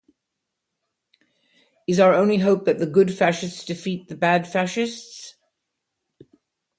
Is our only hope that the good fascists defeat the bad fascists?